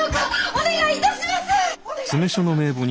お願い致します！